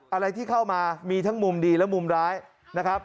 อะไรที่เข้ามามีทั้งมุมดีและมุมร้ายนะครับ